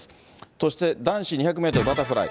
そして、男子２００メートルバタフライ。